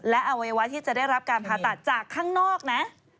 และอวัยวะที่จะได้รับการผ่าตัดจากข้างนอกนะ